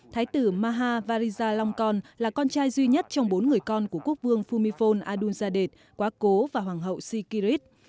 thái tử maha vajijalongkorn là con trai duy nhất trong bốn người con của quốc vương phumifol adulzadeh quá cố và hoàng hậu sikirit